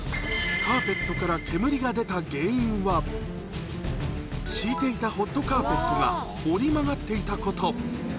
カーペットから煙が出た原因は、敷いていたホットカーペットが、折り曲がっていたこと。